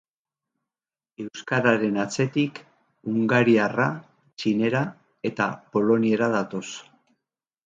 Euskararen atzetik, hungariarra, txinera eta poloniera datoz.